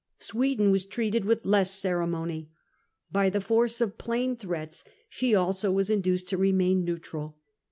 Sweden was treated with less ceremony. By the force of plain threats she also was induced to remain neutral.